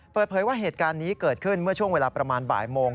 เปิดเผยว่าเหตุการณ์นี้เกิดขึ้นเมื่อช่วงเวลาประมาณบ่ายโมง